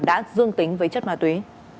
đã dương tính với chất ma túy